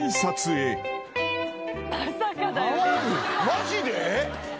マジで？